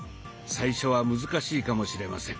最初は難しいかもしれません。